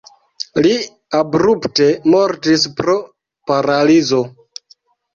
Li abrupte mortis pro paralizo.